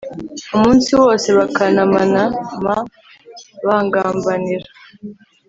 umunsi wose bakanamanama bangambanira